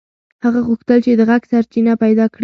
هغه غوښتل چې د غږ سرچینه پیدا کړي.